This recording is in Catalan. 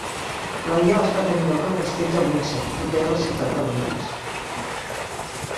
L'enllaç va tenir lloc al Castell de Windsor, proper a la ciutat de Londres.